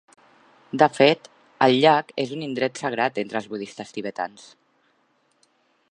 De fet, el llac és un indret sagrat entre els budistes tibetans.